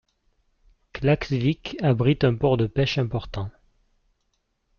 Klaksvík abrite un port de pêche important.